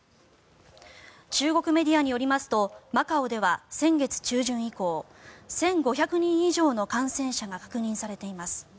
中国メディアによりますとマカオでは先月中旬以降１５００人以上の感染者が確認されています。